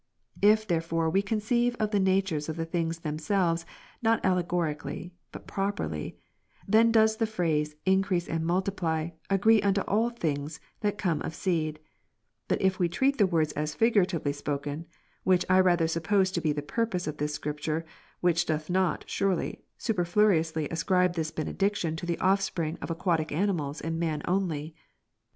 37. If therefore we conceive of the natures of the things themselves, not allegorically, but properly, then does the phrase i7icrease and multiply, agree unto all things, that come of seed. But if we treat of the words as figuratively spoken, (which I rather suppose to be the purpose of the Scripture, which doth not, surely, superfluously ascribe this benediction to the offspring of aquatic animals and man only;) manifold meaning ; things of God, manifoldly expressed.